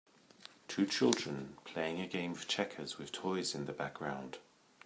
Two children playing a game of checkers with toys in the background.